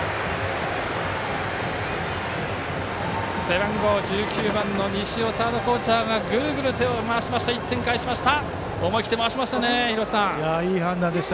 背番号１９番サードコーチャーの西尾がぐるぐる手を回して１点返しました。